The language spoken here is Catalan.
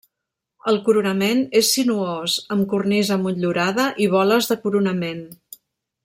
El coronament és sinuós, amb cornisa motllurada i boles de coronament.